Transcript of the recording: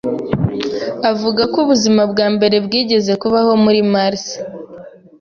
Avuga ko ubuzima bwa mbere bwigeze kubaho kuri Mars.